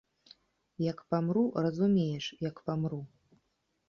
Як памру, разумееш, як памру.